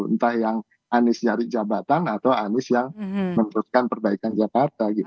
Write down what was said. entah yang anies nyari jabatan atau anies yang meneruskan perbaikan jakarta gitu